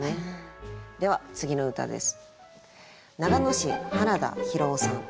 では次の歌です。